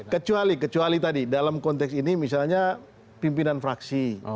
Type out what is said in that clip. kecuali kecuali tadi dalam konteks ini misalnya pimpinan fraksi